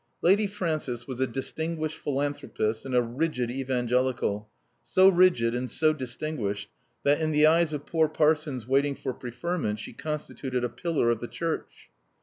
Lady Frances was a distinguished philanthropist and a rigid Evangelical, so rigid and so distinguished that, in the eyes of poor parsons waiting for preferment, she constituted a pillar of the Church.